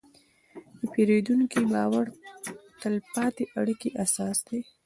د پیرودونکي باور د تل پاتې اړیکې اساس دی.